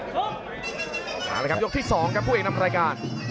เอาละครับยกที่๒ครับผู้เอกนำรายการ